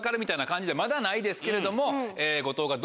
じゃまだないですけれども。